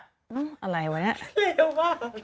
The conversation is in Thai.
ก็ไม่คิดว่าจะเกี่ยวอะไรกับคุณอะไรอย่างนี้